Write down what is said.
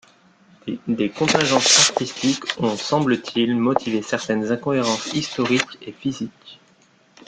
Des contingences artistiques ont, semble-t-il, motivé certaines incohérences historiques et physiques.